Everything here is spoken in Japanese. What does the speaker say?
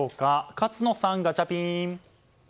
勝野さん、ガチャピン。